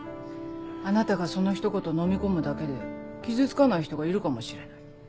あなたがそのひと言のみ込むだけで傷つかない人がいるかもしれない。